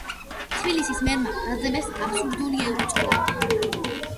თბილისის მერმა ბრალდებებს აბსურდული უწოდა.